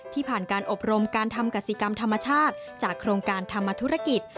ผ่านการอบรมการทำกษีกรรมธรรมชาติจากโครงการธรรมธุรกิจ